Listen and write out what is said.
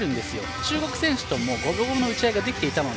中国選手とも五分五分の打ち合いができていたので。